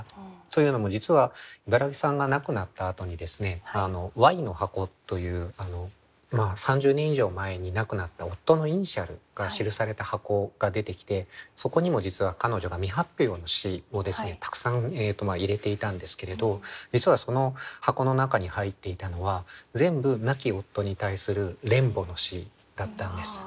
というのも実は茨木さんが亡くなったあとにＹの箱という３０年以上前に亡くなった夫のイニシャルが記された箱が出てきてそこにも実は彼女が未発表の詩をたくさん入れていたんですけれど実はその箱の中に入っていたのは全部亡き夫に対する恋慕の詩だったんです。